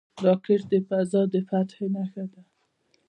راکټ د فضا د فتح نښه ده